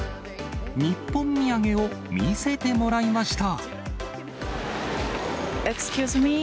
日本土産を見せてもらいました。